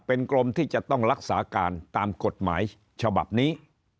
เป็นกรมที่จะต้องรักษาการตามกฎหมายฉบับนี้